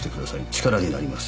力になります」